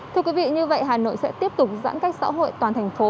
thưa quý vị như vậy hà nội sẽ tiếp tục giãn cách xã hội toàn thành phố